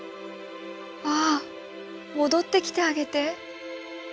ああ戻ってきてあげて。